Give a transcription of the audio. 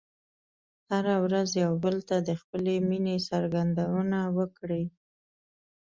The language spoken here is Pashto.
هره ورځ یو بل ته د خپلې مینې څرګندونه وکړئ.